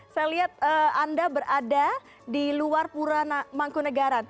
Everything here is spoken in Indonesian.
saya lihat anda berada di luar puromangku negara